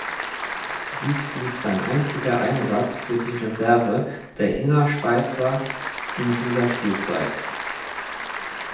Dies blieb sein einziger Einsatz für die Reserve der Innerschweizer in dieser Spielzeit.